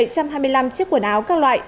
một trăm hai mươi năm chiếc quần áo các loại